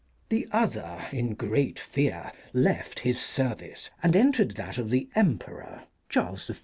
The other, in great fear, left his service and entered that of the Emperor (Charles V. ).